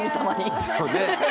そうね。